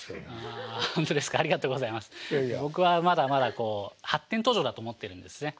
僕はまだまだこう発展途上だと思ってるんですね。